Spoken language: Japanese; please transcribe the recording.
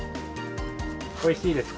おいしいですか？